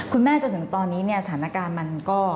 คุณแม่จนถึงตอนนี้สถานการณ์มันก็